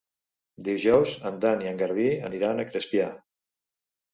Dijous en Dan i en Garbí aniran a Crespià.